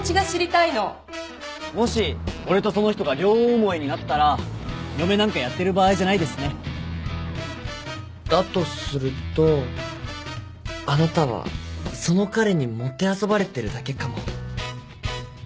もし俺とその人が両思いになったら嫁なんかやってる場合じゃないですねだとするとあなたはその彼にもてあそばれてるだけかも。